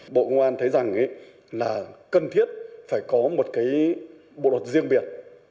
bộ công an thấy rằng là cần thiết phải có một cái bộ luật riêng biệt